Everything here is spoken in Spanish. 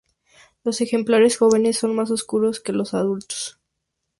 Los ejemplares jóvenes son más oscuros que los adultos.